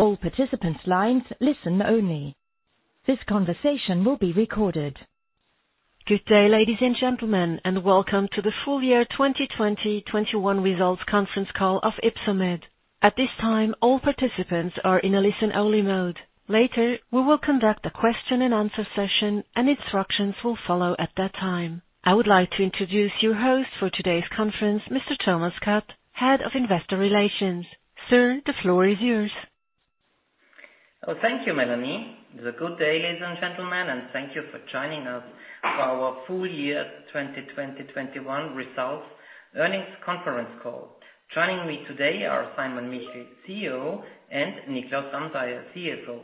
Good day, ladies and gentlemen. Welcome to the full year 2020/21 results conference call of Ypsomed. At this time, all participants are in a listen-only mode. Later, we will conduct a question-and-answer session. Instructions will follow at that time. I would like to introduce your host for today's conference, Mr. Thomas Kutt, Head of Investor Relations. Sir, the floor is yours. Thank you, Melanie. Good day, ladies and gentlemen, and thank you for joining us for our full year 2020/21 results earnings conference call. Joining me today are Simon Michel, CEO, and Niklaus Ramseier, CFO.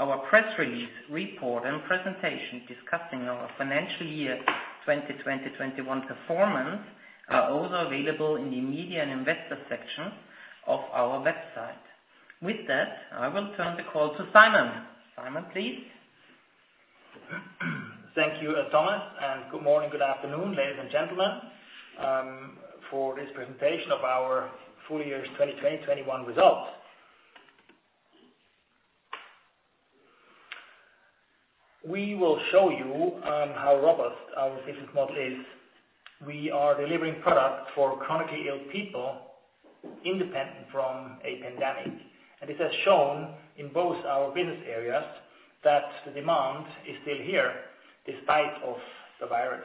Our press release report and presentation discussing our financial year 2020/21 performance are also available in the media and investor section of our website. With that, I will turn the call to Simon. Simon, please. Thank you, Thomas, good morning, good afternoon, ladies and gentlemen, for this presentation of our full year 2020/21 results. We will show you how robust our business model is. We are delivering product for chronically ill people independent from a pandemic, it has shown in both our business areas that the demand is still here despite of the virus.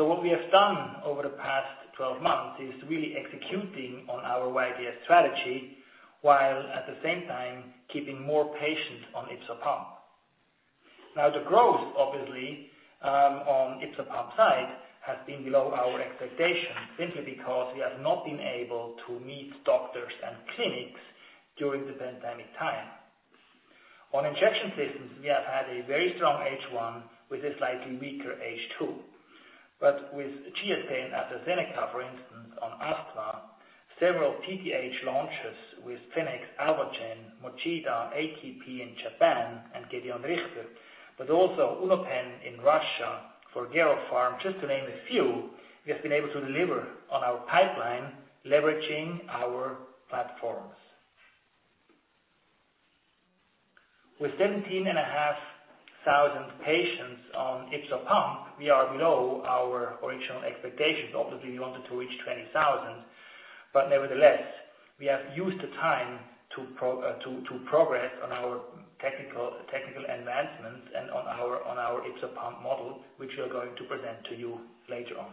What we have done over the past 12 months is really executing on our YDS strategy while at the same time keeping more patients on YpsoPump. Now the growth, obviously, on YpsoPump side has been below our expectations simply because we have not been able to meet doctors and clinics during the pandemic time. On injection systems, we have had a very strong H1 with a slightly weaker H2. With Geopain, AstraZeneca, for instance, on Astra, several PTH launches with Pfenex, Alvogen, Mochida, ATP in Japan, and Gedeon Richter, but also UnoPen in Russia for Geropharm, just to name a few, we have been able to deliver on our pipeline, leveraging our platforms. With 17,500 Southern patients on YpsoPump, we are below our original expectations. Obviously, we wanted to reach 20,000, but nevertheless, we have used the time to progress on our technical enhancements and on our YpsoPump models which we are going to present to you later on.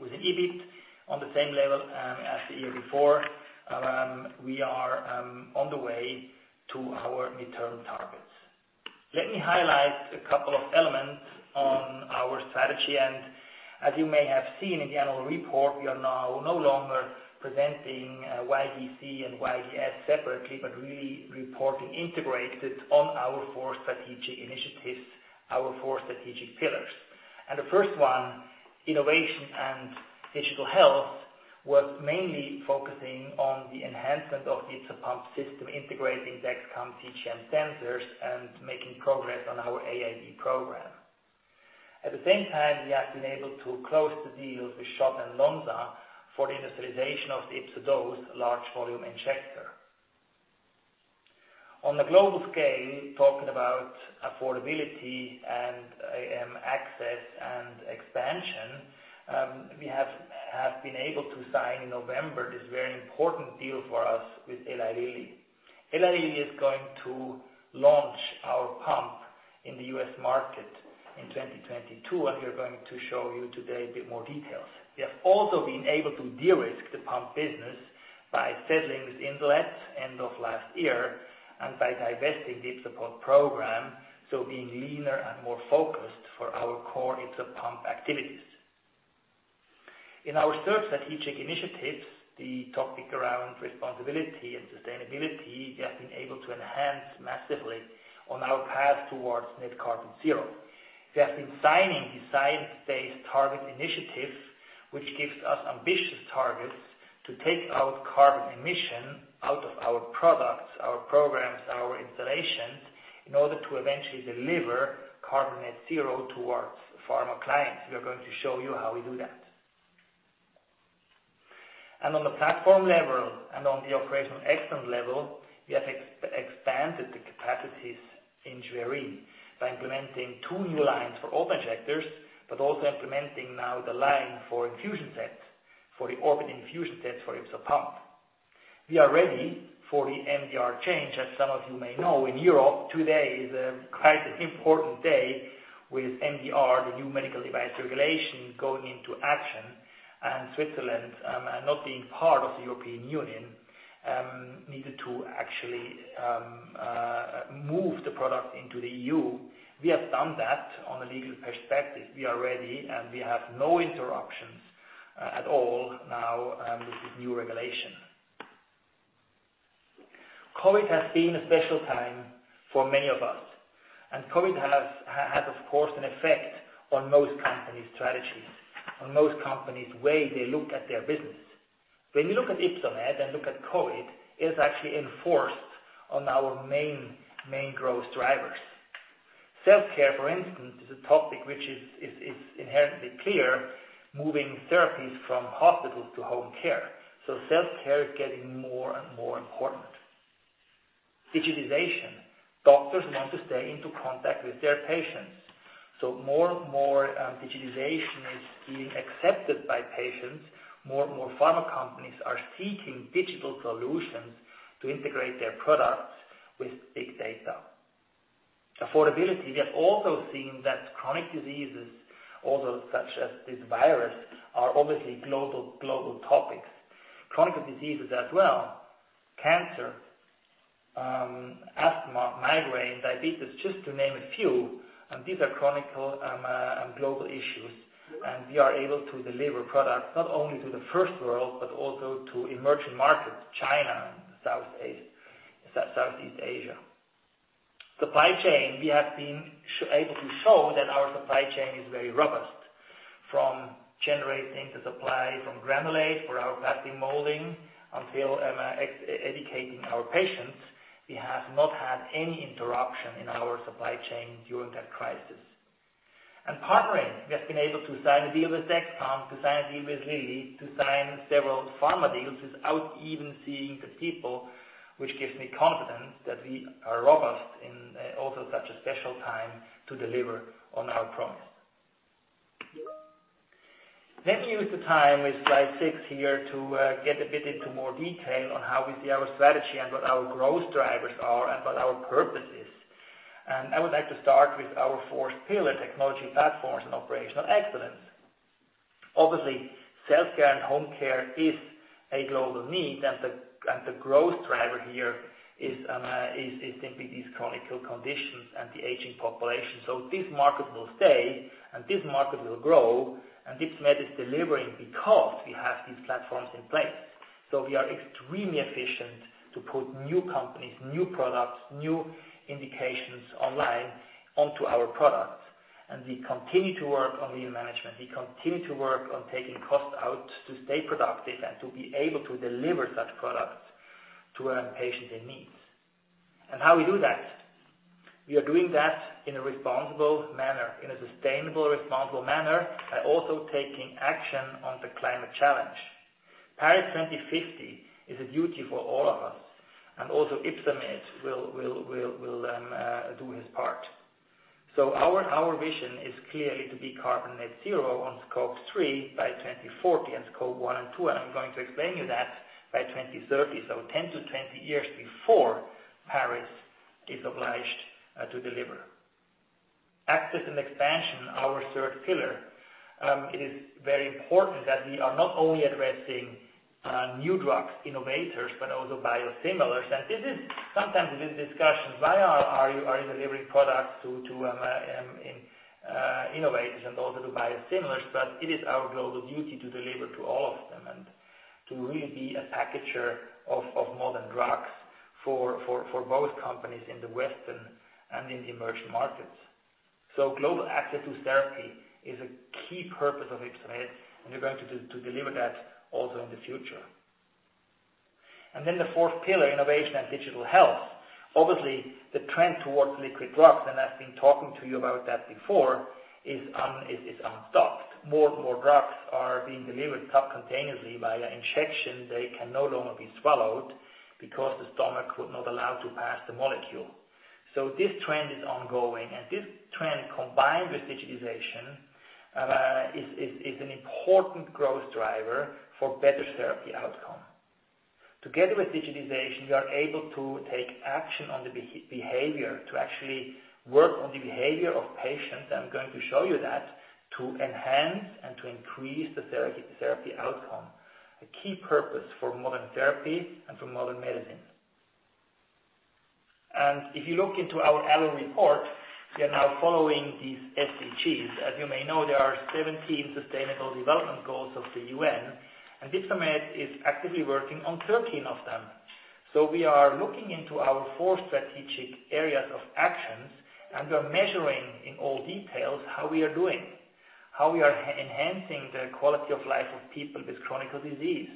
With on the same level as the year before, we are on the way to our midterm targets. Let me highlight a couple of elements on our strategy. As you may have seen in the annual report, we are now no longer presenting YDC and YDS separately but really reporting integrated on our four strategic initiatives, our four strategic pillars. The first one, innovation and digital health, was mainly focusing on the enhancement of YpsoPump system, integrating Dexcom CGM sensors, and making progress on our AID program. At the same time, we have been able to close the deal with Schott and Lonza for the industrialization of YpsoDose large volume injector. On a global scale, talking about affordability and access and expansion, we have been able to sign in November this very important deal for us with Eli Lilly. Eli Lilly is going to launch our pump in the U.S. market in 2022, and we are going to show you today a bit more details. We have also been able to de-risk the pump business by settling with Insulet end of last year and by divesting YpsoPump program, being leaner and more focused for our core YpsoPump activities. In our third strategic initiative, the topic around responsibility and sustainability, we have been able to enhance massively on our path towards net carbon zero. We have been signing the Science Based Targets initiative, which gives us ambitious targets to take our carbon emission out of our products, our programs, our installations, in order to eventually deliver carbon net zero to our pharma clients. We are going to show you how we do that. On the platform level and on the operational excellence level, we have expanded the capacities in Schwerin by implementing two new lines for open injectors but also implementing now the line for infusion sets, for the open infusion sets for YpsoPump. We are ready for the MDR change. As some of you may know, in Europe, today is a quite important day with MDR, the new Medical Device Regulation, going into action. Switzerland, not being part of the European Union, needed to actually move the product into the EU. We have done that on a legal perspective. We are ready. We have no interruptions at all now with this new regulation. COVID has been a special time for many of us. COVID has, of course, an effect on most companies' strategies, on most companies' way they look at their business. When you look at Ypsomed and look at COVID, it has actually enforced on our main growth drivers. Self-care, for instance, is a topic which is inherently clear, moving therapies from hospitals to home care. Self-care is getting more and more important. Digitization. Doctors want to stay into contact with their patients. More and more digitization is being accepted by patients. More and more pharma companies are seeking digital solutions to integrate their products with big data. Affordability. We have also seen that chronic diseases, although such as this virus, are obviously global topics. Chronic diseases as well, cancer, asthma, migraine, diabetes, just to name a few. These are chronic and global issues. We are able to deliver products not only to the first world but also to emerging markets, China and Southeast Asia. Supply chain, we have been able to show that our supply chain is very robust. From generating the supply from granulate for our plastic molding until educating our patients, we have not had any interruption in our supply chain during that crisis. Partnering. We have been able to sign a deal with Dexcom, to sign a deal with Eli Lilly, to sign several pharma deals without even seeing the people, which gives me confidence that we are robust in also such a special time to deliver on our promise. Let me use the time with slide six here to get a bit into more detail on how we see our strategy and what our growth drivers are and what our purpose is. I would like to start with our fourth pillar, technology platforms and operational excellence. Obviously, self-care and home care is a global need, and the growth driver here is simply these chronic conditions and the aging population. This market will stay, and this market will grow, and Ypsomed is delivering because we have these platforms in place. We are extremely efficient to put new companies, new products, new indications online onto our products, and we continue to work on lean management. We continue to work on taking costs out to stay productive and to be able to deliver such products to patients in need. How we do that? We are doing that in a responsible manner, in a sustainable, responsible manner by also taking action on the climate challenge. Paris 2050 is a duty for all of us, and also Ypsomed will do its part. Our vision is clearly to be carbon net zero on Scope 3 by 2040, and Scope 1 and 2, and I'm going to explain you that, by 2030. 10 to 20 years before Paris is obliged to deliver. Access and expansion, our third pillar. It is very important that we are not only addressing new drugs, innovators, but also biosimilars. This is sometimes a little discussion, why are you delivering products to innovators and also to biosimilars? It is our global duty to deliver to all of them and to really be a packager of modern drugs for both companies in the Western and in the emerging markets. Global access to therapy is a key purpose of Ypsomed, and we're going to deliver that also in the future. The fourth pillar, innovation and digital health. Obviously, the trend towards liquid drugs, and I've been talking to you about that before, is unstopped. More and more drugs are being delivered subcutaneously via injection. They can no longer be swallowed because the stomach would not allow to pass the molecule. This trend is ongoing, and this trend, combined with digitization, is an important growth driver for better therapy outcome. Together with digitization, we are able to take action on the behavior to actually work on the behavior of patients, I'm going to show you that, to enhance and to increase the therapy outcome. A key purpose for modern therapy and for modern medicine. If you look into our annual report, we are now following these SDGs. As you may know, there are 17 Sustainable Development Goals of the UN, and Ypsomed is actively working on 13 of them. We are looking into our four strategic areas of actions and we are measuring in all details how we are doing, how we are enhancing the quality of life of people with chronic disease.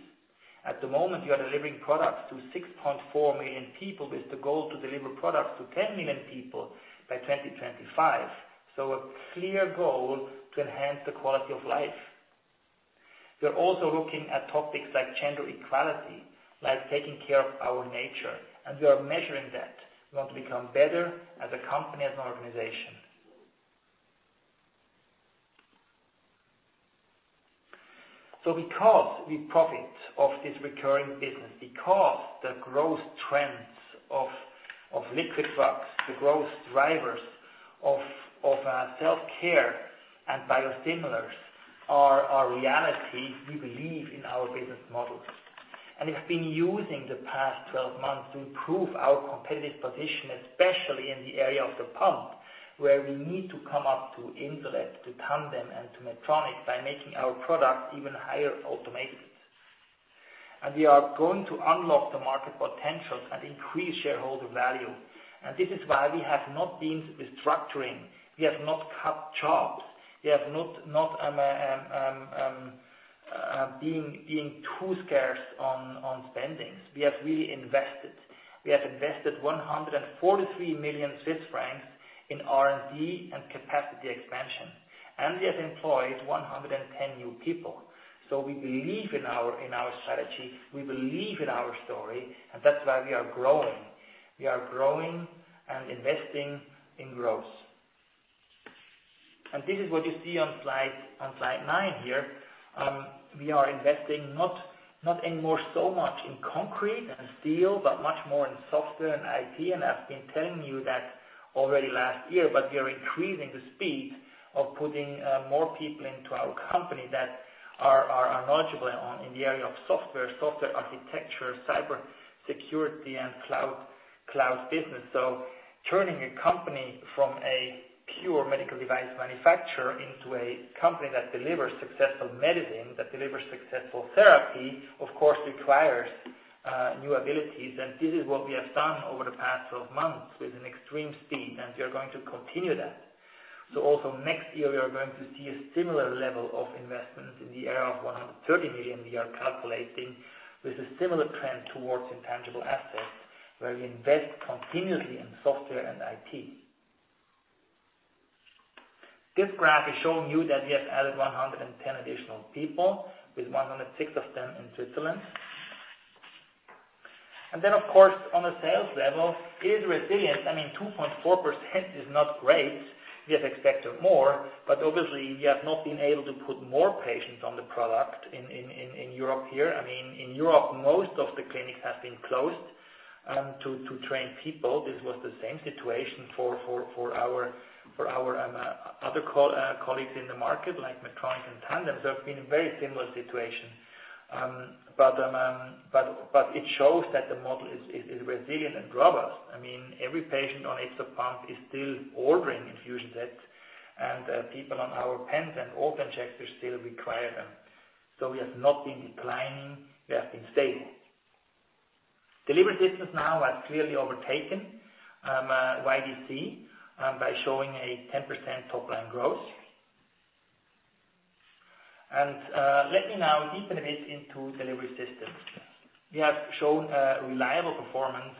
At the moment, we are delivering products to 6.4 million people with the goal to deliver products to 10 million people by 2025. A clear goal to enhance the quality of life. We are also looking at topics like gender equality, like taking care of our nature and we are measuring that. We want to become better as a company, as an organization. Because we profit off this recurring business because the growth trends of liquid drugs, the growth drivers of self-care and biosimilars are a reality, we believe in our business models. We've been using the past 12 months to improve our competitive position, especially in the area of the pump, where we need to come up to Insulet, to Tandem, and to Medtronic by making our product even higher automated. We are going to unlock the market potentials and increase shareholder value. This is why we have not been restructuring. We have not cut jobs. We have not been too scarce on spendings. We have invested 143 million Swiss francs in R&D and capacity expansion and we have employed 110 new people. We believe in our strategies, we believe in our story and that's why we are growing. We are growing and investing in growth. This is what you see on slide nine here. We are investing not anymore so much in concrete and steel but much more in software and IT. I've been telling you that already last year but we are increasing the speed of putting more people into our company that are knowledgeable in the area of software architecture, cyber security and cloud business. Turning a company from a pure medical device manufacturer into a company that delivers successful medicine, that delivers successful therapy, of course requires new abilities. This is what we have done over the past 12 months with an extreme speed and we are going to continue that. Also next year, we are going to see a similar level of investment in the area of 130 million, we are calculating, with a similar trend towards intangible assets where we invest continuously in software and IT. This graph is showing you that we have added 110 additional people with 106 of them in Switzerland. Of course, on the sales level, still resilience. I mean, 2.4% is not great. We had expected more but obviously we have not been able to put more patients on the product in Europe here. I mean, in Europe, most of the clinics have been closed to train people. This was the same situation for our other colleagues in the market like Medtronic and Tandem. It's been a very similar situation. It shows that the model is resilient and robust. I mean, every patient on YpsoPump is still ordering infusion sets, and people on our pens and OpenCheck still require them. We have not been declining. We have been stable. Delivery Systems now has clearly overtaken YDC by showing a 10% top-line growth. Let me now deepen a bit into Delivery Systems. We have shown a reliable performance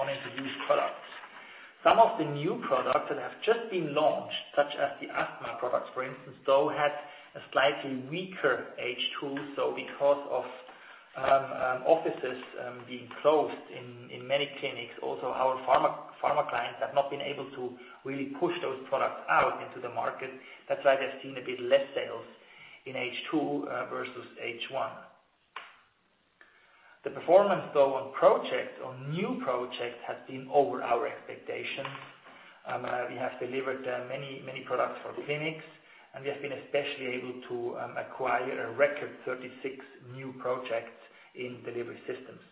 on introduced products. Some of the new products that have just been launched, such as the asthma products, for instance, though, had a slightly weaker H2. Because of offices being closed in many clinics, also our pharma clients have not been able to really push those products out into the market. That's why they've seen a bit less sales in H2 versus H1. The performance though, on projects or new projects has been over our expectations. We have delivered many products for the clinics and we have been especially able to acquire a record 36 new projects in Delivery Systems.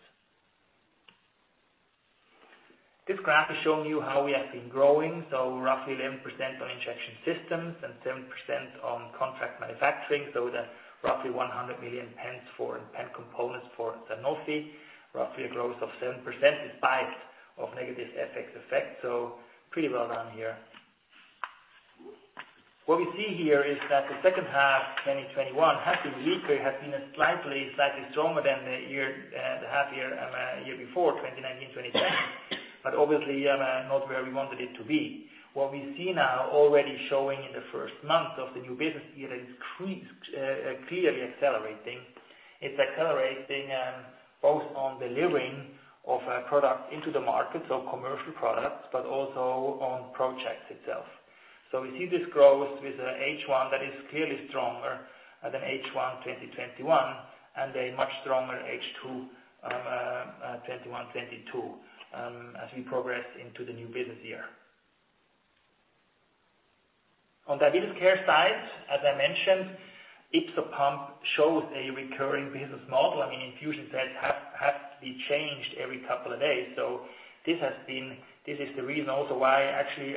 This graph is showing you how we have been growing. Roughly 11% on injection systems and 7% on contract manufacturing. That's roughly 100 million pens for pen components for Sanofi. Roughly a growth of 7% despite of negative FX effects. Pretty well done here. What we see here is that the second half 2021 has usually been slightly stronger than the half year before 2019, 2020. Obviously not where we wanted it to be. What we see now already showing in the first months of the new business year is clearly accelerating. It's accelerating both on delivering of product into the market, so commercial products, also on projects itself. We see this growth with H1 that is clearly stronger than H1 2021, and a much stronger H2 2021, 2022 as we progress into the new business year. On diabetes care side, as I mentioned, Ypsopump shows a recurring business model. I mean, infusion sets have to be changed every couple of days. This is the reason also why actually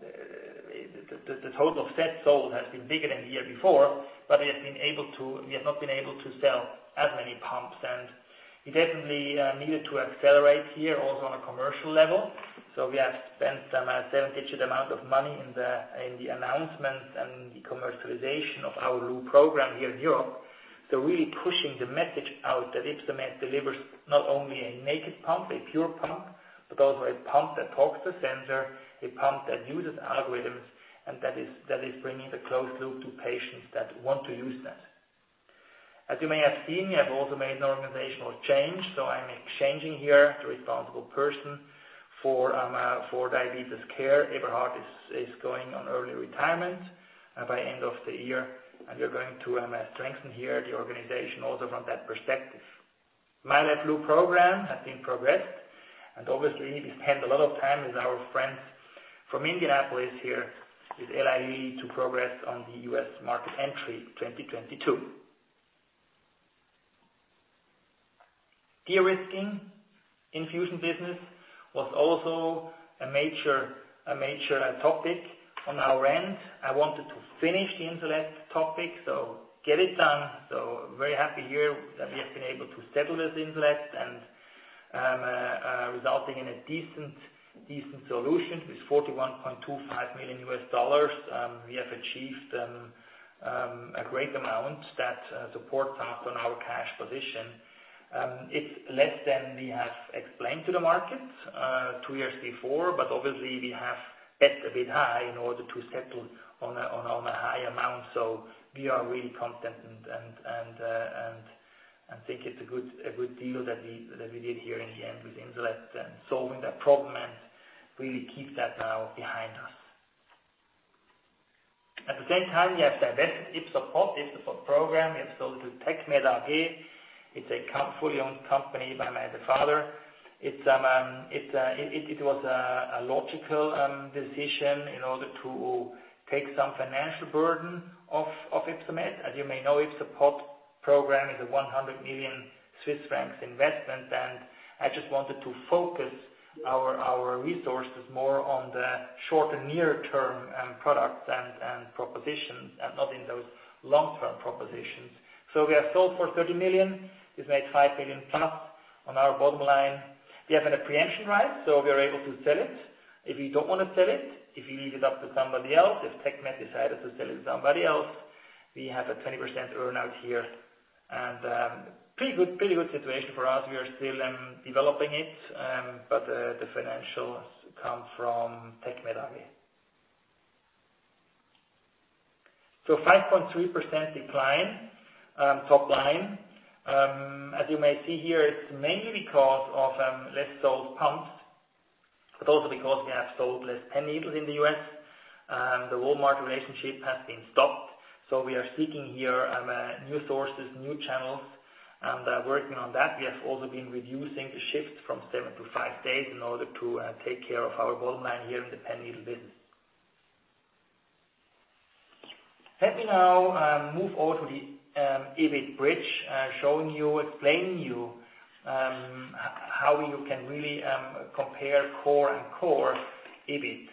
the total sets sold has been bigger than the year before, we have not been able to sell as many pumps, we definitely needed to accelerate here also on a commercial level. We have spent a seven-digit amount of money in the announcements and the commercialization of our loop program here in Europe. Really pushing the message out that Ypsomed delivers not only a naked pump, a pure pump but also a pump that talks to sensor, a pump that uses algorithms and that is bringing the closed loop to patients that want to use that. As you may have seen, we have also made an organizational change. I'm exchanging here the responsible person for diabetes care. Eberhard is going on early retirement by end of the year and we are going to strengthen here the organization also from that perspective. mylife Loop program has been progressed and obviously we spend a lot of time with our friends from Indianapolis here with Eli Lilly to progress on the U.S. market entry 2022. De-risking infusion business was also a major topic on our end. I wanted to finish the intellect topic, so get it done. Very happy here that we have been able to settle this intellect and resulting in a decent solution with $41.25 million. We have achieved a great amount that supports up on our cash position. It's less than we have explained to the market two years before but obviously we have set a bit high in order to settle on a high amount. We are really content and think it's a good deal that we did here in the end with Insulet and solving that problem and really keep that now behind us. At the same time, we have divested Ypsopump, Ypsomed program. We have sold to TecMed AG. It's a fully owned company by my father. It was a logical decision in order to take some financial burden off of Ypsomed. As you may know, Ypsopump program is a 100 million Swiss francs investment, and I just wanted to focus our resources more on the short and near-term products and propositions and not in those long-term propositions. We have sold for 30 million. We've made 5 million profit on our bottom line. We have an preemption right, so we are able to sell it. If we don't want to sell it, if we leave it up to somebody else, if TecMed AG decided to sell it to somebody else, we have a 20% earn-out here. Pretty good situation for us. We are still developing it. The financials come from TecMed AG. 5.3% decline top line. As you may see here, it's mainly because of less sold pumps but also because we have sold less pen needles in the U.S. The Walmart relationship has been stopped, so we are seeking here new sources, new channels, and working on that. We have also been reducing the shifts from seven to five days in order to take care of our bottom line here in the pen needle business. Let me now move over to the EBIT bridge, showing you, explaining you how you can really compare core and core EBIT.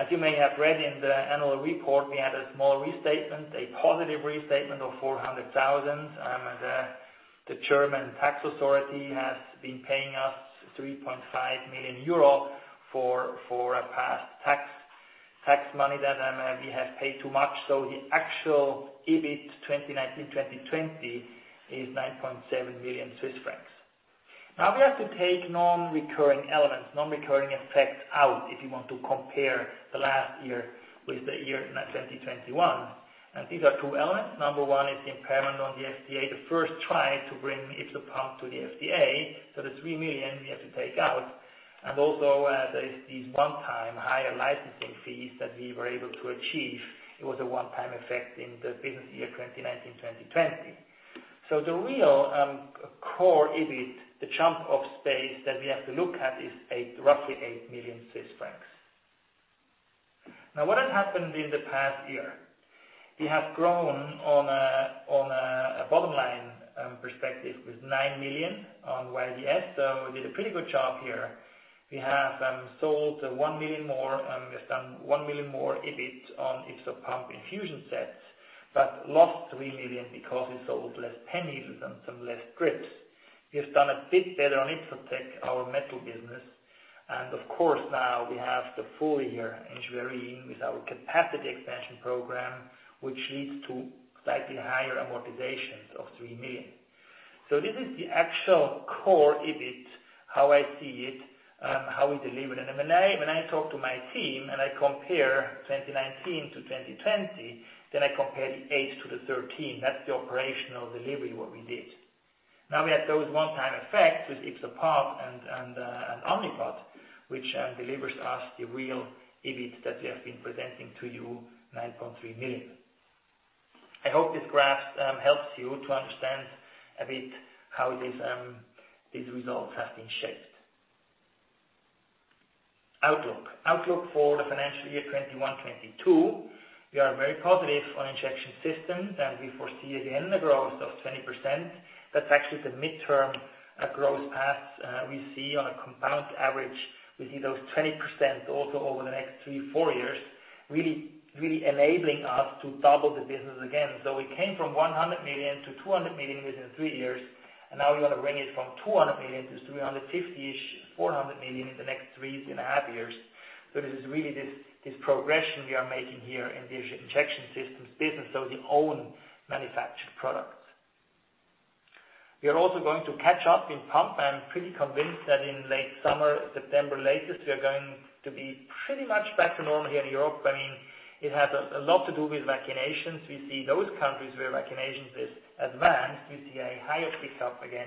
As you may have read in the annual report, we had a small restatement, a positive restatement of 400,000. The German tax authority has been paying us 3.5 million euro for a past tax money that we have paid too much. The actual EBIT 2019/2020 is 9.7 million Swiss francs. Now we have to take non-recurring elements, non-recurring effects out if you want to compare the last year with the year 2021. These are two elements. Number one is the impairment on the FDA, the first try to bring Ypsopump to the FDA. The 3 million we have to take out. Also, there is these one-time higher licensing fees that we were able to achieve. It was a one-time effect in the business year 2019/2020. The real core EBIT, the chunk of space that we have to look at is roughly 8 million Swiss francs. What has happened in the past year? We have grown on a bottom-line perspective with 9 million on YDS, we did a pretty good job here. We have sold 1 million more EBIT on YpsoPump infusion sets, lost 3 million because we sold less pen needles and some less grips. We've done a bit better on Ypsotec, our metal business. Of course, now we have the full year engineering with our capacity expansion program, which leads to slightly higher amortizations of 3 million. This is the actual core EBIT, how I see it, how we deliver it. When I talk to my team and I compare 2019 to 2020, I compare the eight to the 13. That's the operational delivery, what we did. Now we have those one-time effects with YpsoPump and Omnipod, which delivers us the real EBIT that we have been presenting to you, 9.3 million. I hope this graph helps you to understand a bit how these results have been shaped. Outlook. Outlook for the financial year 2021/2022. We are very positive on injection systems, and we foresee again the growth of 20%. That's actually the midterm growth paths we see on a compound average. We see those 20% also over the next three, four years, really enabling us to double the business again. We came from 100 million-200 million within three years, and now we want to bring it from 200 million to 350-ish million, 400 million in the next three and a half years. This is really this progression we are making here in the injection systems business, so the own manufactured products. We are also going to catch up in pump. I'm pretty convinced that in late summer, September latest, we are going to be pretty much back to normal here in Europe. It has a lot to do with vaccinations. We see those countries where vaccinations is advanced, we see a higher pickup again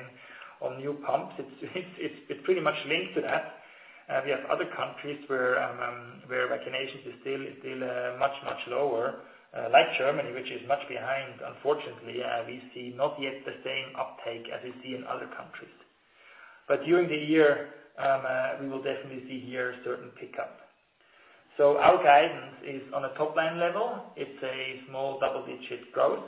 on new pumps. It's pretty much linked to that. We have other countries where vaccinations is still much, much lower, like Germany, which is much behind, unfortunately. We see not yet the same uptake as we see in other countries. During the year, we will definitely see here a certain pickup. Our guidance is on a top-line level, it's a small double-digit growth,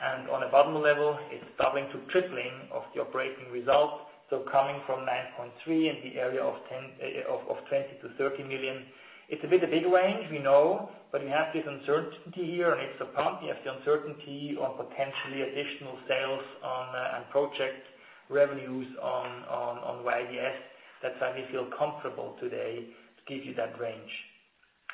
and on a bottom level, it's doubling to tripling of the operating result. Coming from 9.3 in the area of 20 million-30 million. It's a bit of big range, we know but we have this uncertainty here on YpsoPump. We have the uncertainty on potentially additional sales on project revenues on YDS. That's why we feel comfortable today to give you that range.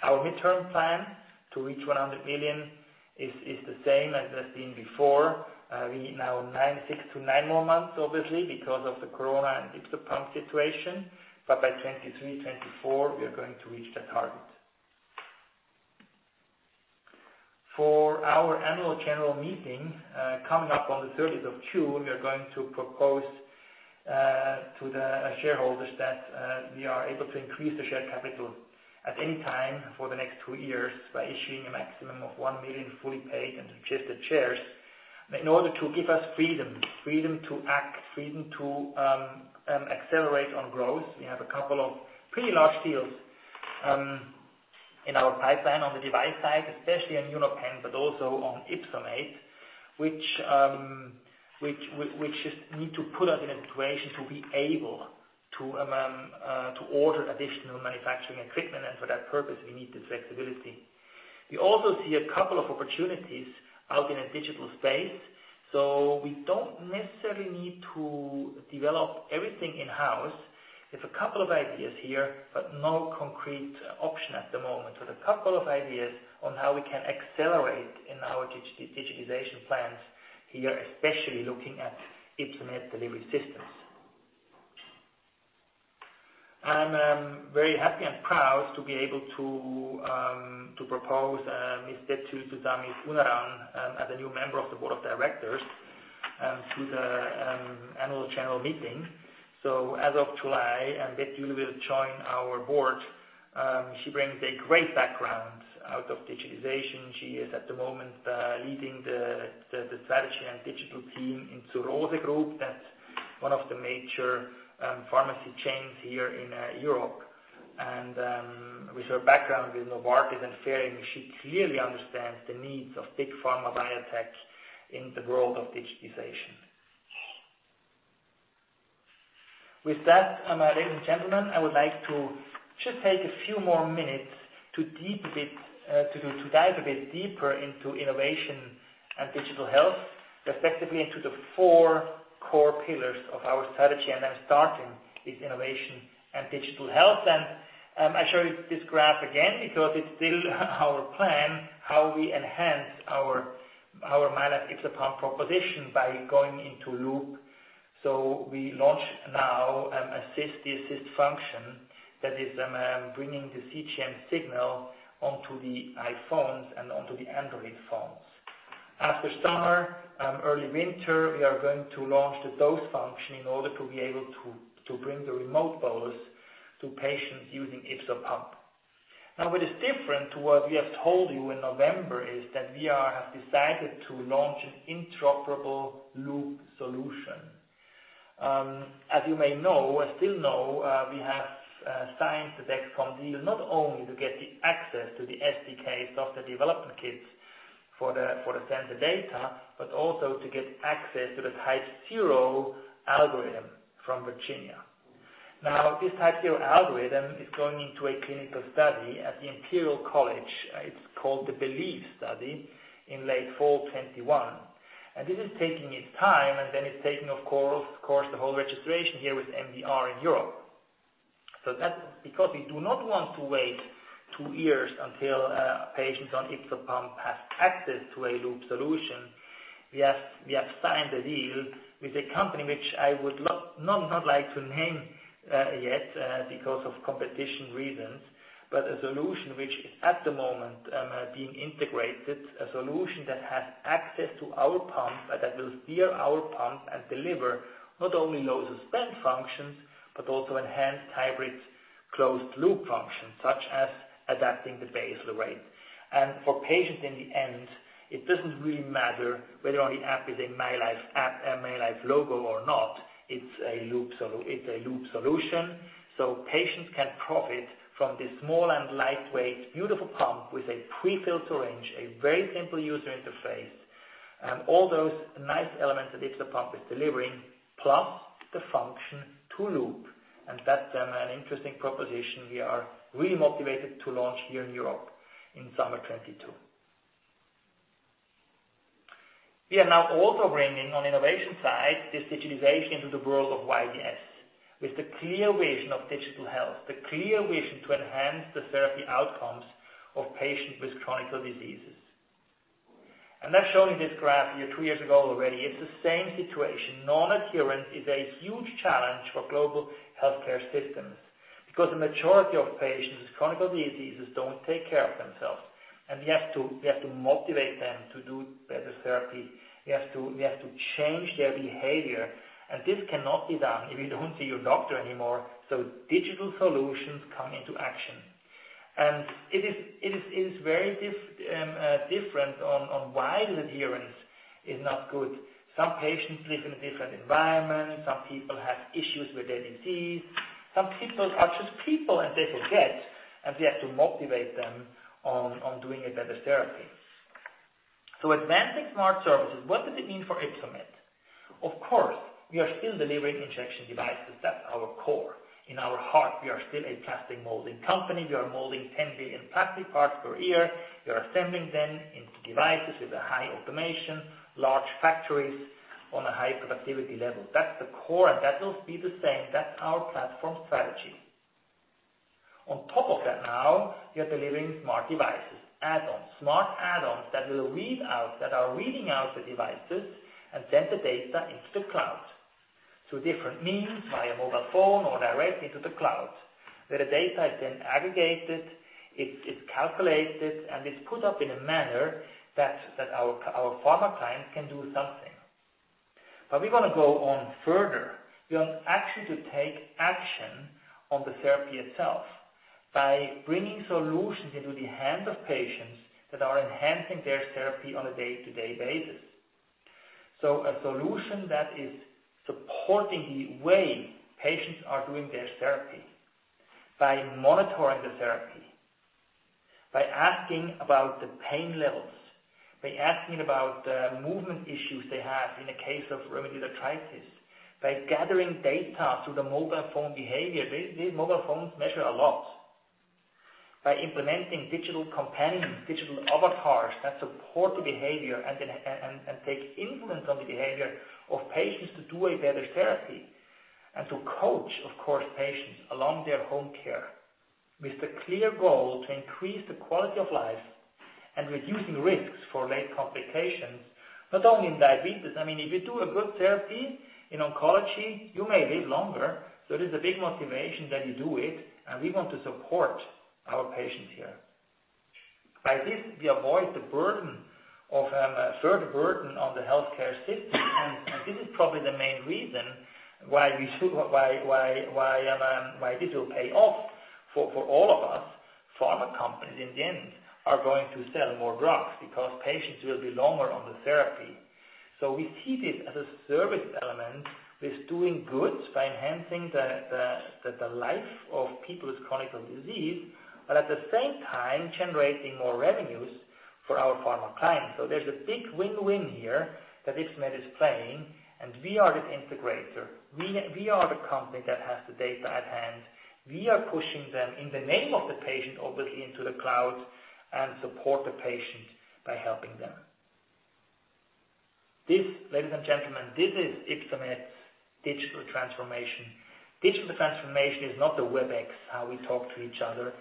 Our midterm plan to reach 100 billion is the same as has been before. We need now six to nine more months, obviously, because of the corona and YpsoPump situation. By 2023, 2024, we are going to reach that target. For our annual general meeting, coming up on the 30th of June, we are going to propose to the shareholders that we are able to increase the share capital at any time for the next two years by issuing a maximum of one million fully paid and registered shares in order to give us freedom. Freedom to act, freedom to accelerate on growth. We have a couple of pretty large deals in our pipeline on the device side, especially on UnoPen, but also on Ypsomed, which we just need to put us in a situation to be able to order additional manufacturing equipment. For that purpose, we need this flexibility. We also see a couple of opportunities out in the digital space. We don't necessarily need to develop everything in-house. There's a couple of ideas here but no concrete option at the moment. A couple of ideas on how we can accelerate in our digitalization plans here, especially looking at Ypsomed Delivery Systems. I'm very happy and proud to be able to propose Ms. Betül Susamis Unaran as a new Member of the Board of Directors to the annual general meeting. As of July, Betül will join our Board. She brings a great background out of digitalization. She is at the moment leading the strategy and digital team in Zur Rose Group. That's one of the major pharmacy chains here in Europe. With her background in Novartis and Ferring, she clearly understands the needs of big pharma biotech in the world of digitalization. With that, ladies and gentlemen, I would like to just take a few more minutes to dive a bit deeper into innovation and digital health, specifically into the four core pillars of our strategy. I'm starting with innovation and digital health. I show you this graph again, because it's still our plan, how we enhance our mylife YpsoPump proposition by going into loop. We launch now the Assist function that is bringing the CGM signal onto the iPhones and onto the Android phones. After summer, early winter, we are going to launch the Dose function in order to be able to bring the remote dose to patients using YpsoPump. Now, what is different to what we have told you in November is that we have decided to launch an interoperable loop solution. As you may know or still know, we have signed the Dexcom deal not only to get the access to the SDK, software development kit, for the sensor data but also to get access to the TypeZero algorithm from Virginia. Now, this TypeZero algorithm is going into a clinical study at the Imperial College, it's called the BELIEVE study, in late fall 2021. This is taking its time, and then it's taking, of course, the whole registration here with MDR in Europe. That's because we do not want to wait two years until patients on YpsoPump have access to a loop solution. We have signed a deal with a company which I would not like to name yet because of competition reasons but a solution which is at the moment being integrated, a solution that has access to our pump and that will steer our pump and deliver not only dose and suspend functions, but also enhanced hybrid closed loop functions, such as adapting the basal rate. For patients, in the end, it doesn't really matter whether the app is a mylife app and mylife logo or not, it's a loop solution. Patients can profit from this small and lightweight, beautiful pump with a pre-filled syringe, a very simple user interface, and all those nice elements that YpsoPump is delivering plus the function to loop. That's an interesting proposition we are really motivated to launch here in Europe in summer 2022. We are now also bringing on innovation side, this digitalization to the world of YDS with the clear vision of digital health, the clear vision to enhance the therapy outcomes of patients with chronic diseases. I've shown you this graph here three years ago already. It's the same situation. Non-adherence is a huge challenge for global healthcare systems because the majority of patients with chronic diseases don't take care of themselves. We have to motivate them to do better therapy. We have to change their behavior. This cannot be done if you don't see your doctor anymore. Digital solutions come into action. It is very different on why the adherence is not good. Some patients live in different environments. Some people have issues with their disease. Some people are just people and they forget, and we have to motivate them on doing a better therapy. Advanced and smart services, what does it mean for Ypsomed? Of course, we are still delivering injection devices. That's our core. In our heart, we are still a plastic molding company. We are molding 10 billion plastic parts per year. We are assembling them into devices with a high automation, large factories on a high productivity level. That's the core, and that will be the same. That's our platform strategy. Top of that now, we are delivering smart devices, add-ons, smart add-ons that are reading out the devices and send the data into the cloud through different means, via mobile phone or directly to the cloud, where the data is then aggregated, it's calculated, and it's put up in a manner that our pharma clients can do something. We want to go on further. We want actually to take action on the therapy itself by bringing solutions into the hands of patients that are enhancing their therapy on a day-to-day basis. A solution that is supporting the way patients are doing their therapy by monitoring the therapy, by asking about the pain levels, by asking about the movement issues they have in the case of rheumatoid arthritis, by gathering data through the mobile phone behavior. These mobile phones measure a lot. By implementing digital companions, digital avatars that support the behavior and takes influence on the behavior of patients to do a better therapy and to coach, of course, patients along their home care with the clear goal to increase the quality of life and reducing risks for late complications, not only in diabetes. If you do a good therapy in oncology, you may live longer. There's a big motivation that you do it, and we want to support our patients here. By this, we avoid the burden of a third burden on the healthcare system, and this is probably the main reason why this will pay off for all of us. Pharma companies in the end are going to sell more drugs because patients will be longer on the therapy. We see this as a service element that's doing good by enhancing the life of people with chronic disease but at the same time generating more revenues for our pharma clients. There's a big win-win here that Ypsomed is playing, and we are the integrator. We are the company that has the data at hand. We are pushing them in the name of the patient, obviously, into the cloud and support the patient by helping them. Ladies and gentlemen, this is Ypsomed's digital transformation. Digital transformation is not the Webex, how we talk to each other.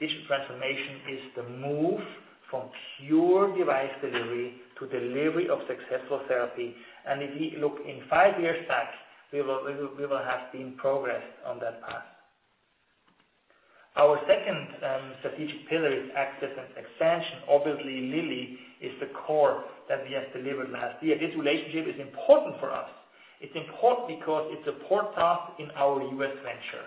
Digital transformation is the move from pure device delivery to delivery of successful therapy. If we look in five years back, we will have been progressed on that path. Our second strategic pillar is access and expansion. Obviously, Lilly is the core that we have to deliver. This relationship is important for us. It's important because it supports us in our U.S. venture,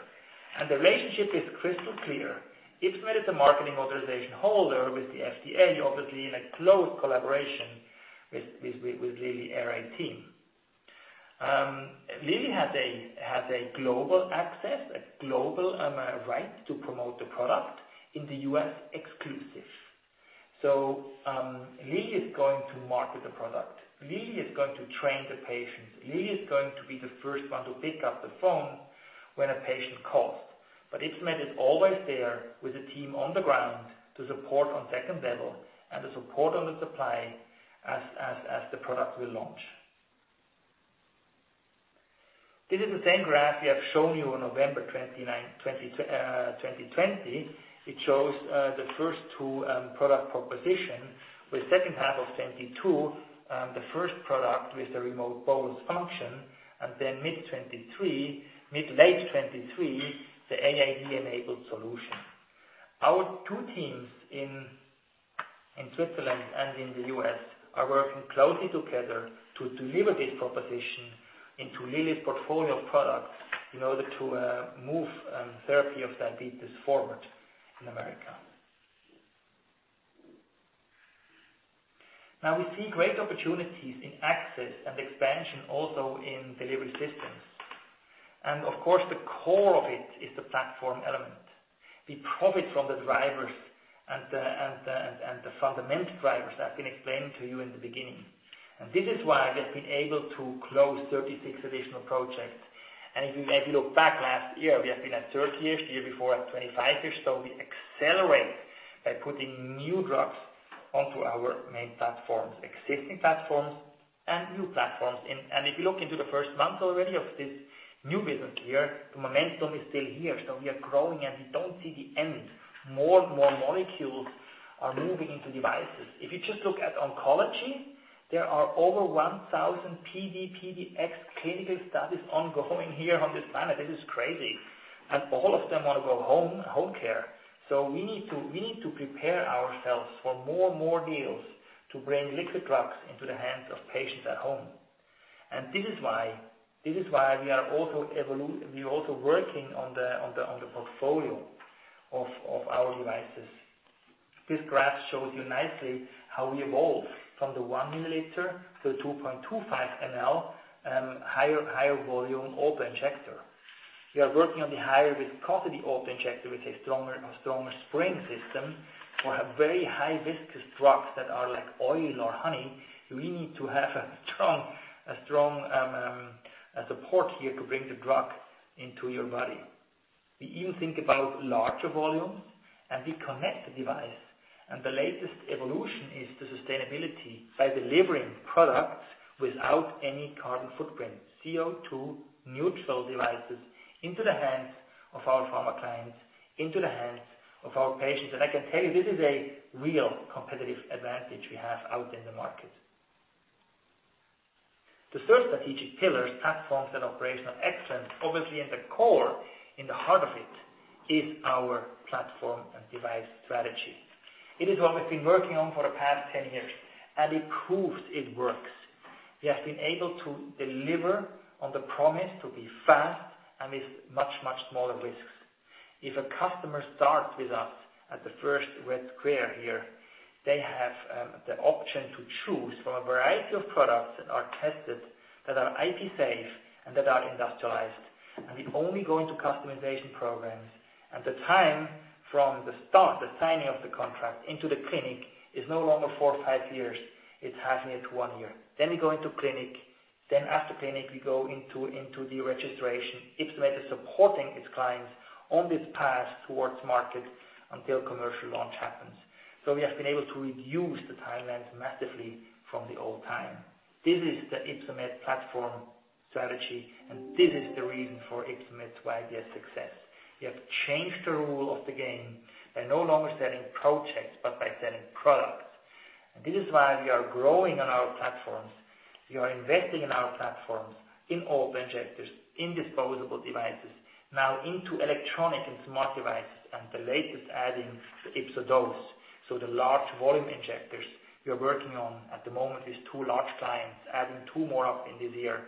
and the relationship is crystal clear. Ypsomed is the marketing authorization holder with the FDA, obviously in a close collaboration with Lilly R&D. Lilly has a global access, a global right to promote the product in the U.S. exclusive. Lilly is going to market the product. Lilly is going to train the patients. Lilly is going to be the first one to pick up the phone when a patient calls. Ypsomed is always there with a team on the ground to support on second level and to support on the supply as the product will launch. This is the same graph we have shown you on November 29, 2020. It shows the first two product propositions with second half of 2022, the first product with the remote bolus function, mid 2023, mid-late 2023, the AID-enabled solution. Our two teams in Switzerland and in the U.S. are working closely together to deliver this proposition into Lilly's portfolio of products in order to move therapy of diabetes forward in America. We see great opportunities in access and expansion also in delivery systems. Of course, the core of it is the platform element. We profit from the drivers and the fundamental drivers I've been explaining to you in the beginning. This is why I have been able to close 36 additional projects. If you look back last year, we have been at 30-ish, the year before at 25-ish. We accelerate by putting new drugs onto our main platforms, existing platforms, and new platforms. If you look into the first month already of this new business year, the momentum is still here. We are growing and we don't see the end. More and more molecules are moving into devices. If you just look at oncology, there are over 1,000 PD/PD-X clinical studies ongoing here on this planet. This is crazy. All of them are home care. We need to prepare ourselves for more and more deals to bring liquid drugs into the hands of patients at home. This is why we are also working on the portfolio of our devices. This graph shows you nicely how we evolve from the 1 mL-2.25 mL, higher volume open injector. We are working on the higher viscosity open injector with a stronger spring system for a very high viscous drugs that are like oil or honey. We need to have a strong support here to bring the drug into your body. If you think about larger volumes. We connect the device. The latest evolution is the sustainability by delivering products without any carbon footprint, CO2 neutral devices into the hands of our pharma clients, into the hands of our patients. I can tell you, this is a real competitive advantage we have out in the market. The third strategic pillar is platforms and operational excellence. Obviously in the core, in the heart of it, is our platform and device strategy. It is what we've been working on for the past 10 years. It proves it works. We have been able to deliver on the promise to be fast and with much smaller risks. If a customer starts with us at the first red square here, they have the option to choose from a variety of products that are tested, that are IT safe, and that are industrialized. We only go into customization programs and the time from the start, the signing of the contract into the clinic is no longer four or five years. It's halfway to one year. We go into clinic. After clinic, we go into the registration. Ypsomed is supporting its clients on this path towards market until commercial launch happens. We have been able to reduce the timelines massively from the old time. This is the Ypsomed platform strategy, and this is the reason for Ypsomed's wide success. We have changed the rule of the game by no longer selling projects, but by selling products. This is why we are growing on our platforms. We are investing in our platforms, in open injectors, in disposable devices. Now into electronic and smart devices, and the latest adding to YpsoDose. The large volume injectors we are working on at the moment with two large clients, adding two more up in this year,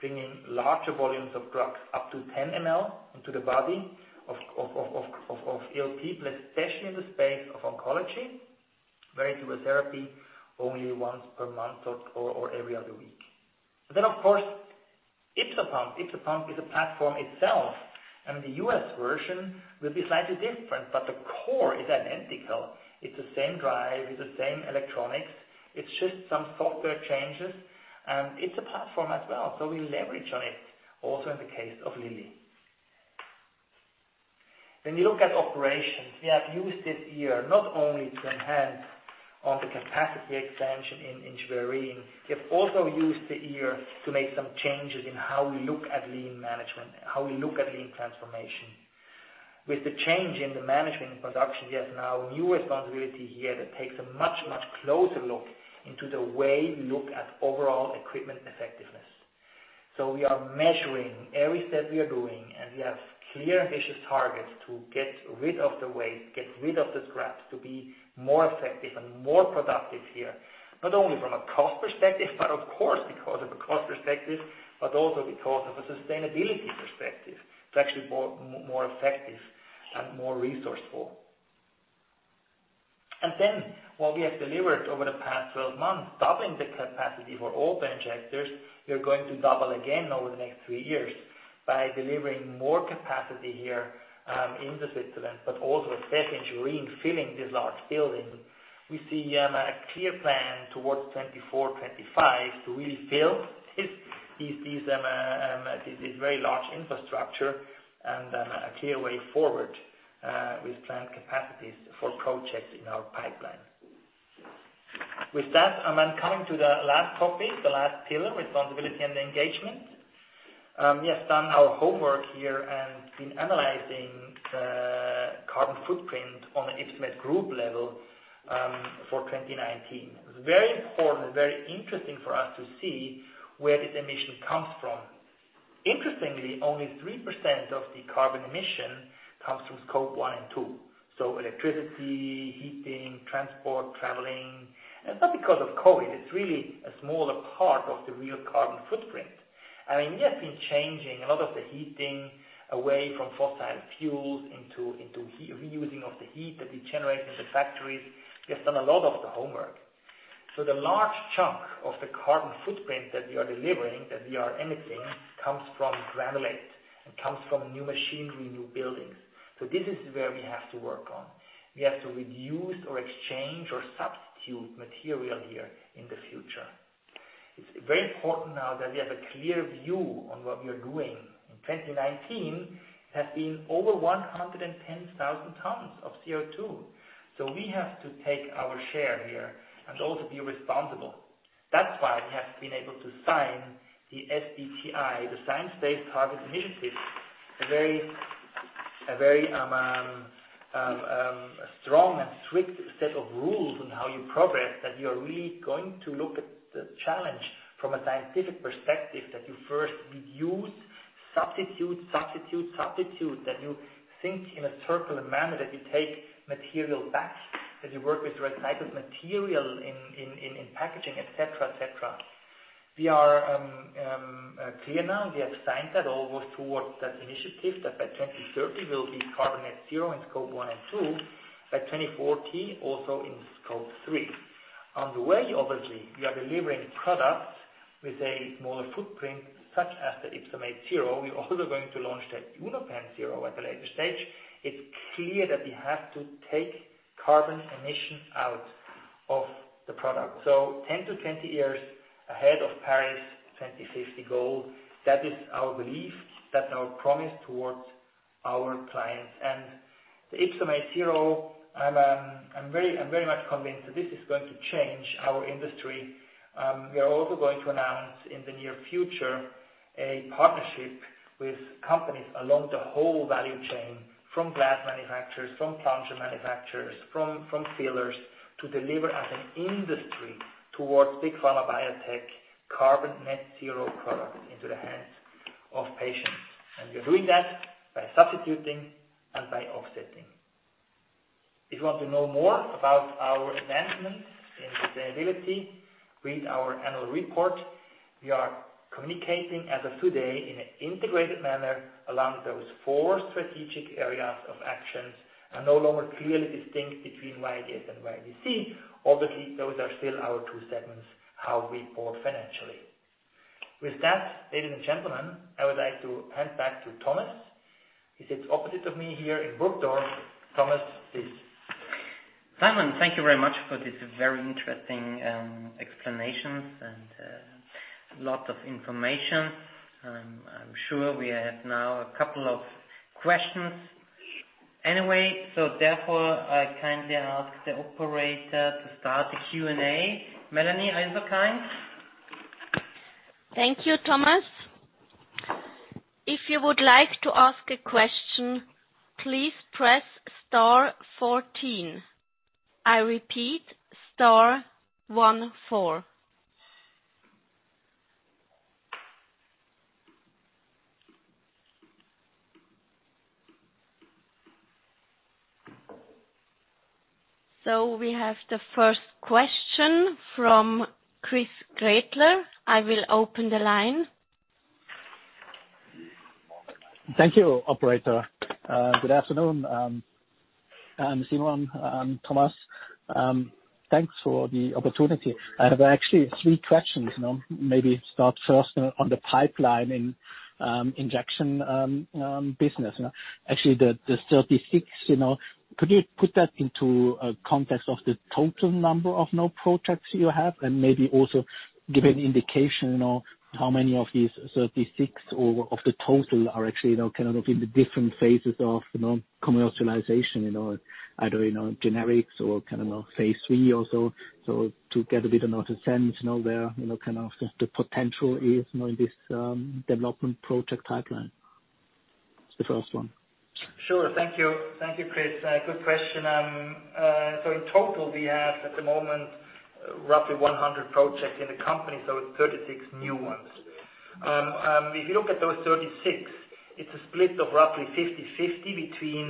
bringing larger volumes of drugs up to 10 mL into the body of ill people, especially in the space of oncology, where you do a therapy only once per month or every other week. Of course, YpsoPump. Ypsopump is a platform itself. The U.S. version will be slightly different, the core is identical. It's the same drive. It's the same electronics. It's just some software changes. It's a platform as well. We leverage on it also in the case of Lilly. When you look at operations, we have used this year not only to enhance on the capacity expansion in Schwerin. We have also used the year to make some changes in how we look at lean management, how we look at lean transformation. With the change in the management and production, we have now new responsibility here that takes a much closer look into the way we look at overall equipment effectiveness. We are measuring every step we are doing and we have clear ambitious targets to get rid of the waste, get rid of the scraps, to be more effective and more productive here. Not only from a cost perspective but of course because of a cost perspective, but also because of a sustainability perspective to actually be more effective and more resourceful. What we have delivered over the past 12 months, doubling the capacity for open injectors. We are going to double again over the next three years by delivering more capacity here, in the Switzerland but also especially in Schwerin, filling this large building. We see a clear plan towards 2024, 2025 to really fill this very large infrastructure and a clear way forward with planned capacities for projects in our pipeline. With that, I am coming to the last topic, the last pillar, responsibility and engagement. We have done our homework here and been analyzing the carbon footprint on the Ypsomed group level for 2019. It was very important, very interesting for us to see where this emission comes from. Interestingly, only 3% of the carbon emission comes from Scope 1 and 2. Electricity, heating, transport, traveling. It's not because of COVID. It's really a smaller part of the real carbon footprint. I mean, we have been changing a lot of the heating away from fossil fuels into reusing of the heat that we generate in the factories. We have done a lot of the homework. The large chunk of the carbon footprint that we are delivering, that we are emitting, comes from granulate and comes from new machinery, new buildings. This is where we have to work on. We have to reduce or exchange or substitute material here in the future. It's very important now that we have a clear view on what we are doing. In 2019, it has been over 110,000 tons of CO2. We have to take our share here and also be responsible. That's why we have been able to sign the SBTi, the Science Based Targets initiatives. A very strong and strict set of rules on how you progress, that you are really going to look at the challenge from a scientific perspective, that you first reduce, substitute. You think in a circular manner, that you take material back as you work with recycled material in packaging, et cetera. We are clear now. We have signed that all towards that initiative that by 2030 we will be carbon net zero in Scope 1 and 2, by 2040, also in Scope 3. On the way, obviously, we are delivering products with a smaller footprint such as the YpsoMate Zero. We're also going to launch the UnoPen Zero at a later stage. It's clear that we have to take carbon emissions out of the product. 10 to 20 years ahead of Paris Agreement 2050 goal. That is our belief, that's our promise towards our clients. The YpsoMate Zero, I'm very much convinced that this is going to change our industry. We are also going to announce in the near future a partnership with companies along the whole value chain, from glass manufacturers, from plunger manufacturers, from sealers, to deliver as an industry towards Big Pharma biotech carbon net zero products into the hands of patients. We're doing that by substituting and by offsetting. If you want to know more about our advancement in sustainability, read our annual report. We are communicating as of today in an integrated manner along those four strategic areas of actions, and no longer clearly distinct between YDS and YDC. Obviously, those are still our two segments, how we report financially. With that, ladies and gentlemen, I would like to hand back to Thomas. He sits opposite of me here in Burgdorf. Thomas, it's yours. Simon, thank you very much for this very interesting explanations and lots of information. I'm sure we have now a couple of questions. I kindly ask the operator to start the Q&A. Melanie, are you so kind? Thank you, Thomas. If you would like to ask a question, please press star 14. I repeat, star 14. We have the first question from Chris Gretler. I will open the line. Thank you, operator. Good afternoon, Simon and Thomas. Thanks for the opportunity. I have actually three questions. Maybe start first on the pipeline in injection business. Actually, the 36, could you put that into a context of the total number of projects you have, and maybe also give an indication of how many of these 36 or of the total are actually in the different phases of commercialization, either in generics or phase III or so, to get a bit of a sense there, kind of the potential is in this development project pipeline? The first one. Sure. Thank you, Chris. Good question. In total, we have at the moment roughly 100 projects in the company, 36 new ones. If you look at those 36, it's a split of roughly 50/50 between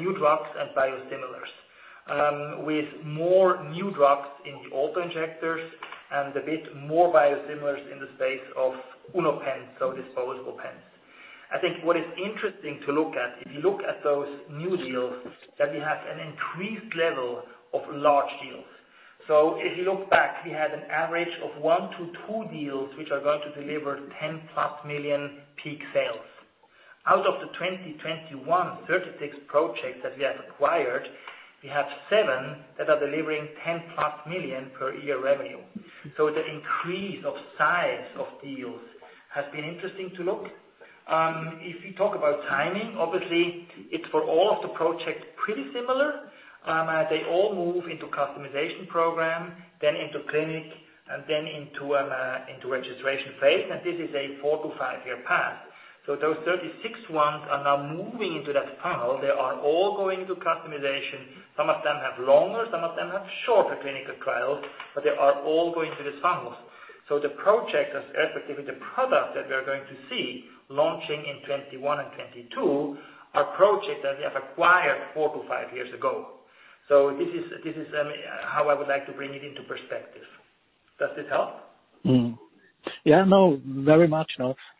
new drugs and biosimilars, with more new drugs in the auto-injectors and a bit more biosimilars in the space of UnoPen, so disposable pens. I think what is interesting to look at, if you look at those new deals, that we have an increased level of large deals. If you look back, we had an average of one to two deals, which are going to deliver 10+ million peak sales. Out of the 2021, 36 projects that we have acquired, we have seven that are delivering 10+ million per year revenue. The increase of size of deals has been interesting to look. If you talk about timing, obviously, it's for all of the projects pretty similar. They all move into customization program, then into clinic, and then into registration phase, and this is a four-five year path. Those 36 ones are now moving into that funnel. They are all going to customization. Some of them have longer, some of them have shorter clinical trials but they are all going through these funnels. The projects, or specifically the products that we are going to see launching in 2021 and 2022 are projects that we have acquired four-five years ago. This is how I would like to bring it into perspective. Does this help? Yeah, no, very much.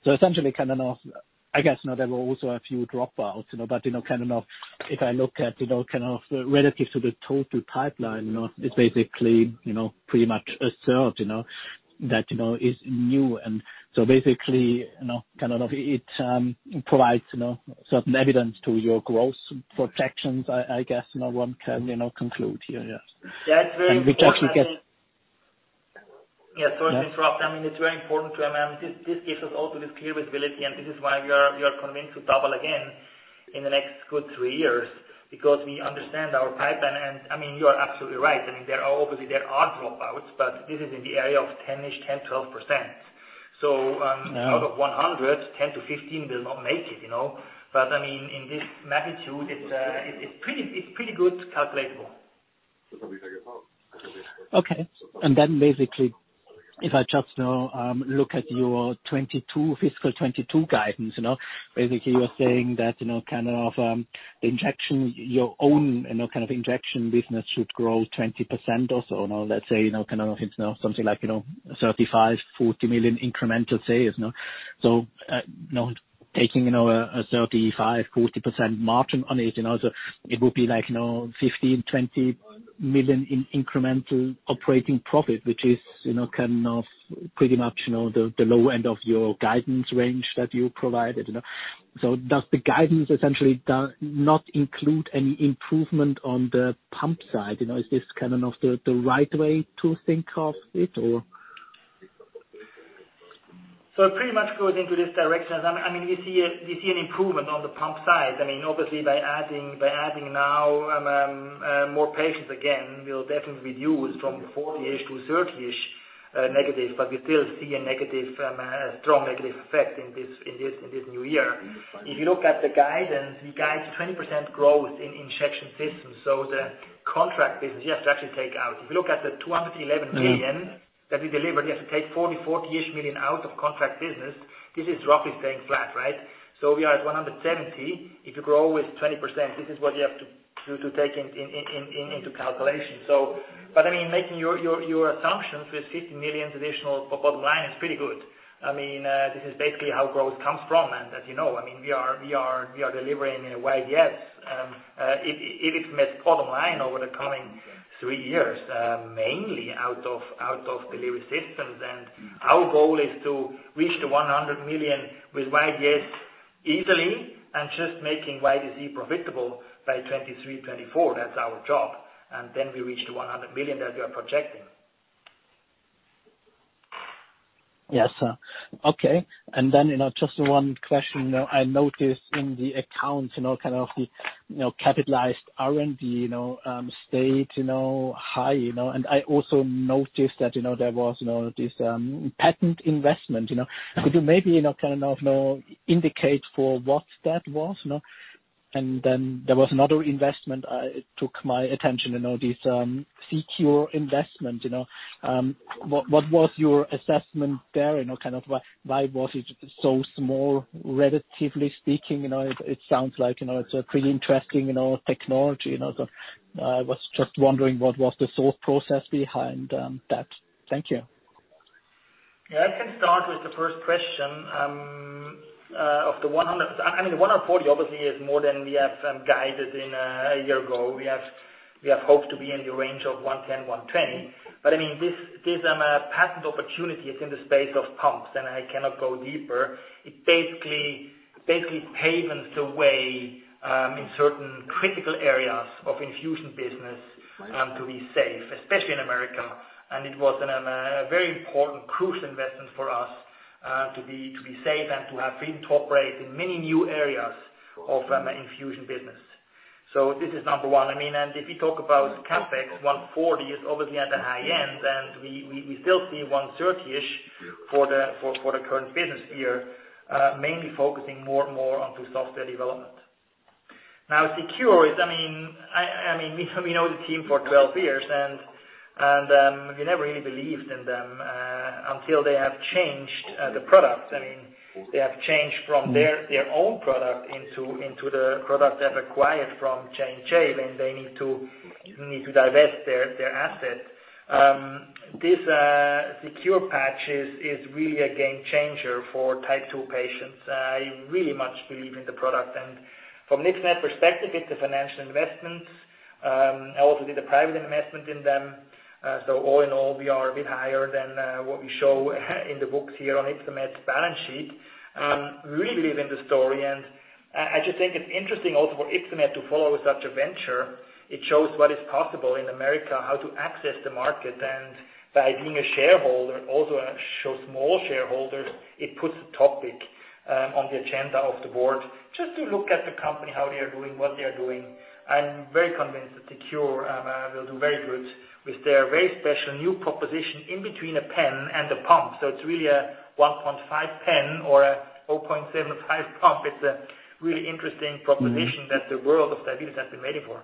Essentially, I guess there were also a few dropouts. If I look at kind of relative to the total pipeline, it is basically pretty much a third that is new. Basically, it provides certain evidence to your growth projections, I guess one can conclude here. That's very much so. And we just get Yeah, totally. I mean, it's very important. This gives us also this clear visibility, and this is why we are convinced to double again in the next good three years, because we understand our pipeline. You are absolutely right. I mean, obviously, there are dropouts but this is in the area of 10-ish, 10%, 12%. Out of 100, 10-15 do not make it. In this magnitude, it's pretty good calculable. If I just look at your fiscal 2022 guidance. You're saying that your own injection business should grow 20% or so. Let's say, it's now something like 35 million-40 million incremental sales. Taking a 35%-40% margin on it would be like 15 million-20 million in incremental operating profit, which is pretty much the low end of your guidance range that you provided. Does the guidance essentially does not include any improvement on the pump side? Is this kind of the right way to think of it? Pretty much going into this direction, we see an improvement on the pump side. Obviously by adding now more patients again, we'll definitely be reduce from 40-ish to 30-ish negatives but we still see a strong negative effect in this new year. If you look at the guidance, you guide 20% growth in injection systems. The contract business you have to actually take out. If you look at the 211 million that we delivered, you have to take 40-ish million out of contract business. This is roughly staying flat, right? We are at 170 million. If you grow with 20%, this is what you have to take into calculation. Making your assumptions with 15 million additional bottom line is pretty good. This is basically how growth comes from. As you know, we are delivering YDS. It can make bottom line over the coming three years, mainly out of delivery systems. Our goal is to reach the 100 million with YDS easily and just making YDC profitable by 2023, 2024. That's our job. We reach the 100 million that we are projecting. Yes, sir. Okay, just one question. I noticed in the accounts, kind of the capitalized R&D stayed high. I also noticed that there was this patent investment. Could you maybe, kind of indicate for what that was? There was another investment that took my attention, this CeQur investment. What was your assessment there? Kind of why was it so small, relatively speaking? It sounds like it is a pretty interesting technology. I was just wondering what was the thought process behind that. Thank you. I can start with the first question. Of the 100, I mean, 140 obviously is more than we have guided in a year ago. We have hoped to be in the range of 110, 120. This patent opportunity is in the space of pumps and I cannot go deeper. It basically paves the way in certain critical areas of infusion business to be safe, especially in the U.S., and it was a very important crucial investment for us to be safe and to have freedom to operate in many new areas of infusion business. This is number one. If you talk about CapEx, 140 is obviously at the high end, and we still see 130-ish for the current business year, mainly focusing more and more on the software development. We've known the team for 12 years and we never really believed in them until they have changed the product. They have changed from their own product into the product they've acquired from J&J, then they need to divest their assets. This CeQur patches is really a game changer for type 2 patients. I really much believe in the product. From Ypsomed perspective, it's a financial investment. Also with a private investment in them. All in all, we are a bit higher than what we show in the books here on Ypsomed's balance sheet. Really believe in the story, and I just think it's interesting also for Ypsomed to follow such a venture. It shows what is possible in America, how to access the market. By being a shareholder, also shows small shareholders it puts a topic on the agenda of the board just to look at the company, how they are doing, what they are doing. I'm very convinced that CeQur, they'll do very good with their very special new proposition in between a pen and a pump. It's really a 1.5 pen or a 0.75 pump. It's a really interesting proposition that the world of diabetes has been waiting for.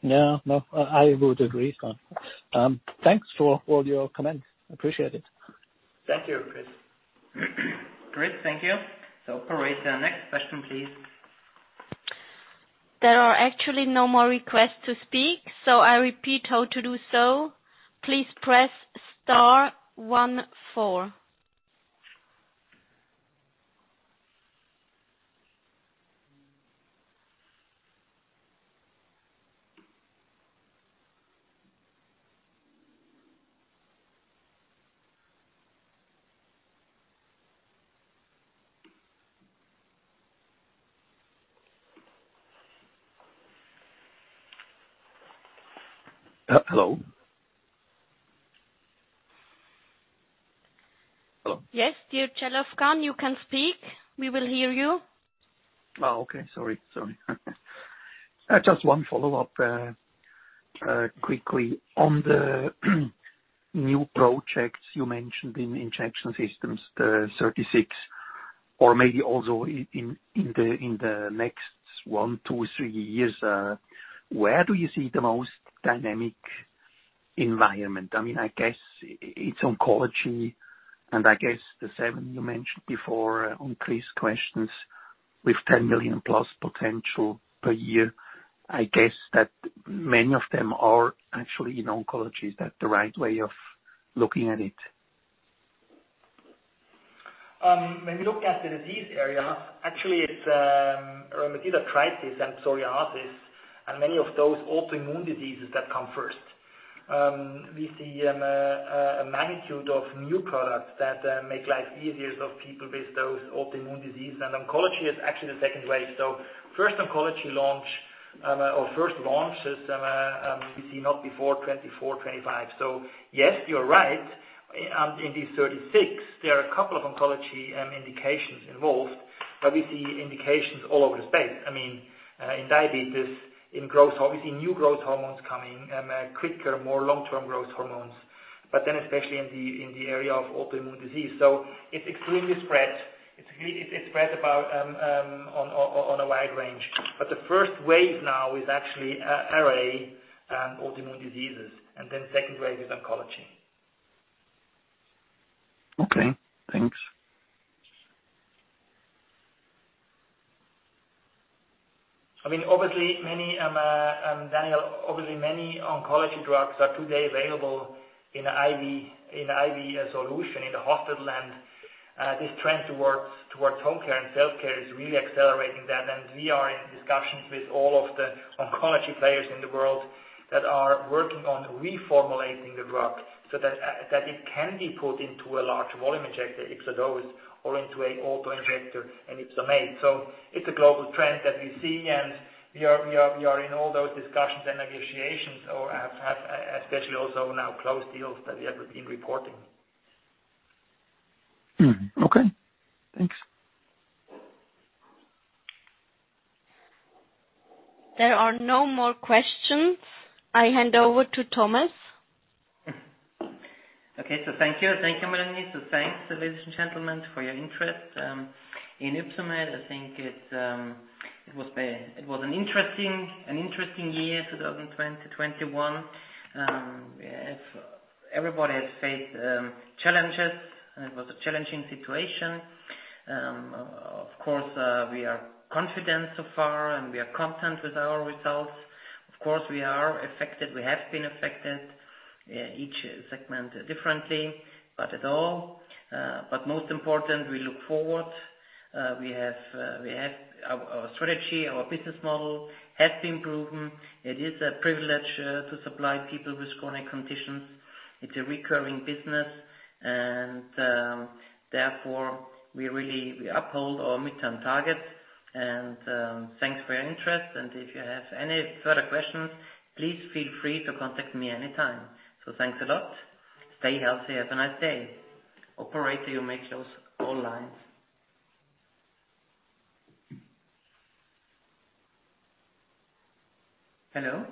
Yeah. No, I would agree. Thanks for all your comments. Appreciate it. Thank you, Chris. Chris, thank you. Operator, next question, please. There are actually no more requests to speak, so I repeat how to do so. Please press star one four. Hello? Yes, dear Michael Jung, you can speak. We will hear you. Oh, okay. Sorry. Just one follow-up quickly. On the new projects you mentioned in injection systems, the 36 or maybe also in the next one, two or three years, where do you see the most dynamic environment? I guess it's oncology and I guess the seven you mentioned before on Chris' questions with 10 million-plus potential per year. I guess that many of them are actually in oncology. Is that the right way of looking at it? When you look at it in these areas, actually it's rheumatoid arthritis and psoriasis, and many of those autoimmune diseases that come first. We see a magnitude of new products that make life easier for people with those autoimmune diseases. Oncology is actually the second wave. First oncology launch or first launches we see not before 2024, 2025. Yes, you're right. In these 36, there are a couple of oncology indications involved, we see indications all over the space. In diabetes, we see new growth hormones coming quicker, more long-term growth hormones. Especially in the area of autoimmune disease. It's extremely spread. It's spread about on a wide range. The first wave now is actually RA, autoimmune diseases, second wave is oncology. Okay, thanks. Michael, obviously many oncology drugs are today available in IV solution in the hospital. This trend towards home care and self-care is really accelerating that. We are in discussions with all of the oncology players in the world that are working on reformulating the drug so that it can be put into a large volume injector, YpsoDose, or into an auto-injector, an YpsoMate. It's a global trend that we see, and we are in all those discussions and negotiations, or have especially also now closed deals that we have been reporting. Okay, thanks. There are no more questions. I hand over to Thomas. Okay. Thank you. Thank you, Melanie. Thanks, ladies and gentlemen, for your interest in Ypsomed. I think it was an interesting year, 2021. Everybody has faced challenges, and it was a challenging situation. Of course, we are confident so far and we are content with our results. Of course, we are affected. We have been affected, each segment differently, but at all. Most important, we look forward. Our strategy, our business model has been proven. It is a privilege to supply people with chronic conditions. It's a recurring business and therefore, we uphold our midterm targets. Thanks for your interest, and if you have any further questions, please feel free to contact me anytime. Thanks a lot. Stay healthy. Have a nice day. Operator, you may close all lines. Hello?